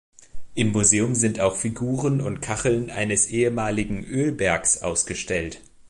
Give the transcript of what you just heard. Im Museum sind auch Figuren und Kacheln eines ehemaligen Ölbergs ausgestellt.